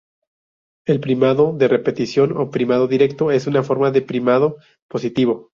El primado de repetición o primado directo es una forma de primado positivo.